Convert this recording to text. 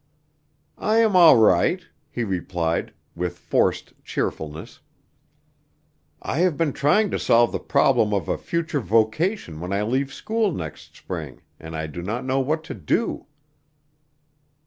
"I am all right," he replied, with forced cheerfulness. "I have been trying to solve the problem of a future vocation when I leave school next spring, and I do not know what to do."